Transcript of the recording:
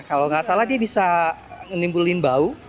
kalau nggak salah dia bisa menimbulkan bau